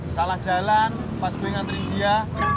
salah jalan pas gue ngantri dia